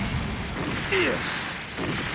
よし！